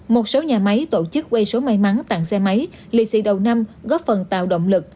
một số nhà máy tổ chức quay số may mắn tặng xe máy lì xì đầu năm góp phần tạo động lực